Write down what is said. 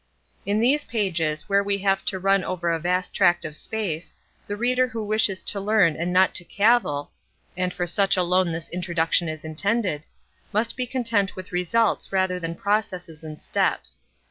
In these pages, where we have to run over a vast tract of space, the reader who wishes to learn and not to cavil—and for such alone this introduction is intended—must be content with results rather than processes and steps.